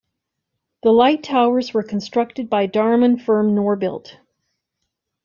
The light towers were constructed by Darwin firm Norbuilt.